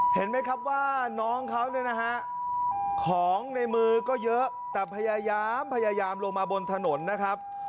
เห็นไหมครับว่าน้องเขาเนี่ยนะฮะของในมือก็เยอะแต่พยายามพยายามลงมาบนถนนนะครับ